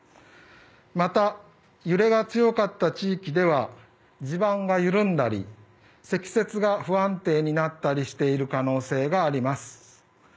また、揺れが強かった地域では地盤が緩んだり積雪が不安定になっている可能性があります。